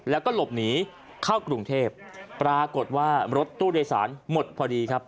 แล้วก็หลบหนีเข้ากรุงเทพปรากฏว่ารถตู้โดยสารหมดพอดีครับ